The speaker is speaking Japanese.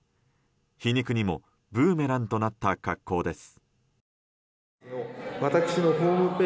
皮肉にもブーメランとなった格好です。